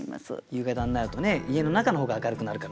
夕方になるとね家の中の方が明るくなるから見える。